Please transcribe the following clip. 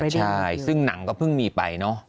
ใช่ซึ่งหนังก็เพิ่งมีไปเนอะ